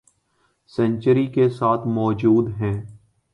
century کے ساتھ موجود ہیں